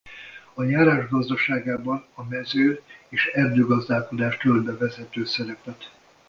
A járás gazdaságában a mező- és erdőgazdálkodás tölt be vezető szerepet.